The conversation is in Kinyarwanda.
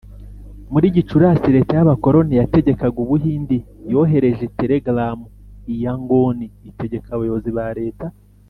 Muri Gicurasi leta y abakoloni yategekaga u Buhindi yohereje telegaramu i Yangon itegeka abayobozi ba leta